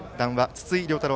筒井亮太郎